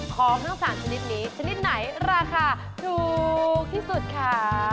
ของทั้ง๓ชนิดนี้ชนิดไหนราคาถูกที่สุดค่ะ